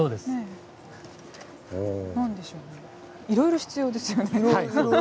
いろいろ必要ですよね。